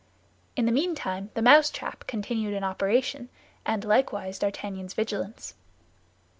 In the meantime, the mousetrap continued in operation, and likewise D'Artagnan's vigilance.